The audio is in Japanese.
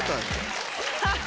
ハハハハ！